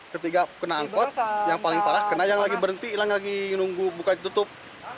ketiga kena angkot yang paling parah kena yang lagi berhenti hilang lagi nunggu buka tutup